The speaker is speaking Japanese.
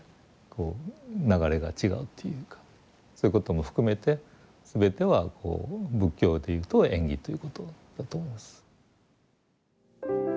こう流れが違うというかそういうことも含めて全ては仏教で言うと縁起ということだと思います。